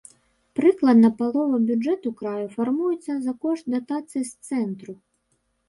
Прыкладна палова бюджэту краю фармуецца за кошт датацый з цэнтру.